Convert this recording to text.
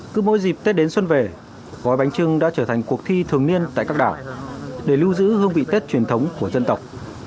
cứ mỗi dịp tết đến xuân về gói bánh trưng đã trở thành cuộc thi thường niên tại các đảo để lưu giữ hương vị tết truyền thống của dân tộc